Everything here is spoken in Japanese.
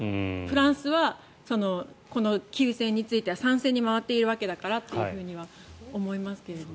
フランスは休戦については賛成に回っているわけだからと思いますけどね。